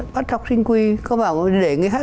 bắt học sinh quy có bảo để người khác